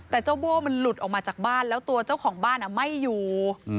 แต่เจ้าโบ้มันหลุดออกมาจากบ้านแล้วตัวเจ้าของบ้านไม่อยู่